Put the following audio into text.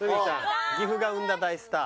岐阜が生んだ大スター。